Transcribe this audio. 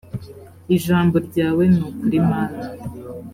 ijambo ryawe ni ukuri mana.